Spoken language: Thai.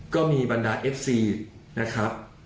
ก็มีบรรดาเอฟซีนะครับ